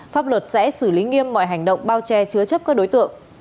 pháp luật sẽ xử lý nghiêm mọi hành động bao che chứa chấp các đối tượng